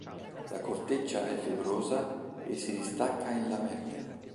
La corteccia è fibrosa e si distacca in lamelle.